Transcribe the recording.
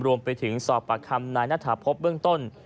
รวมไปถึงสอบประคำนายณฐาพบเบื้องต้น